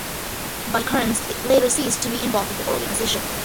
Vikernes later ceased to be involved with the organisation.